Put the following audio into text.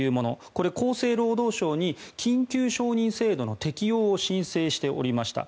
これは厚生労働省に緊急承認制度の適用を申請しておりました。